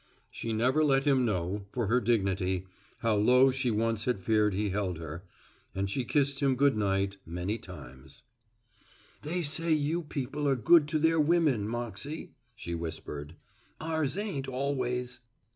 She never let him know, for her dignity, how low she once had feared he held her, and she kissed him goodnight many times. "They say you people are good to their women, Moxey," she whispered. "Ours ain't, always."